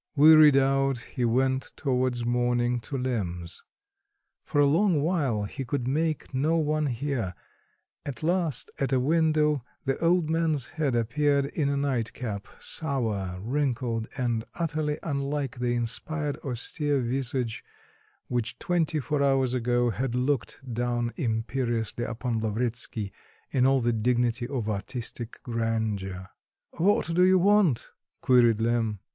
Wearied out he went towards morning to Lemm's. For a long while he could make no one hear; at last at a window the old man's head appeared in a nightcap, sour, wrinkled, and utterly unlike the inspired austere visage which twenty four hours ago had looked down imperiously upon Lavretsky in all the dignity of artistic grandeur. "What do you want?" queried Lemm.